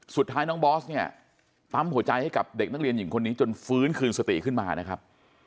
สุดท้ายน้องบอสเนี่ยปั๊มหัวใจให้กับเด็กนักเรียนหญิงคนนี้จนฟื้นคืนสติขึ้นมานะครับ